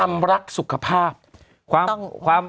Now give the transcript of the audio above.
ความรักสุขภาพ